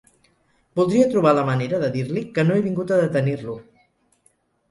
Voldria trobar la manera de dir-li que no he vingut a detenir-lo.